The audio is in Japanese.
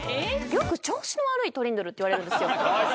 よく調子の悪いトリンドルって言われるんですよ。